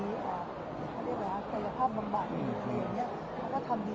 มีใจราคาบังบาร์ที่อยู่เกี่ยวอย่างนี้